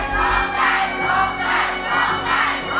โครงใจโครงใจโครงใจโครงใจ